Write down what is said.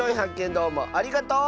どうもありがとう！